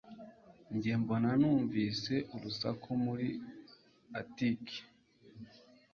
Njye mbona numvise urusaku muri atike